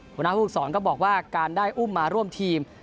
หัวหน้าผู้ฝึกศรก็บอกว่าการได้อุ้มมาร่วมทีม